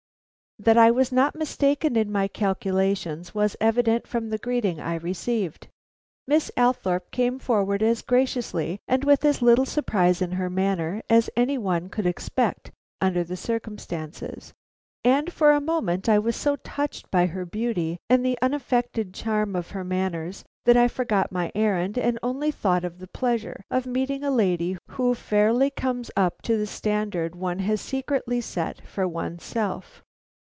That I was not mistaken in my calculations was evident from the greeting I received. Miss Althorpe came forward as graciously and with as little surprise in her manner as any one could expect under the circumstances, and for a moment I was so touched by her beauty and the unaffected charm of her manners that I forgot my errand and only thought of the pleasure of meeting a lady who fairly comes up to the standard one has secretly set for one's self.